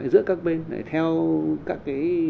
giữa các bên theo các cái